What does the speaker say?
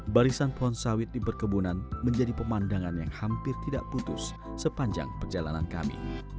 barisan pohon sawit di perkebunan menjadi pemandangan yang hampir tidak putus sepanjang perjalanan kami